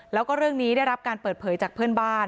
แล้วก็เรื่องนี้ได้รับการเปิดเผยจากเพื่อนบ้าน